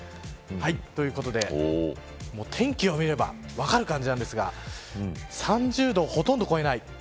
ということで、天気を見れば分かることなんですが３０度をほとんど超えない。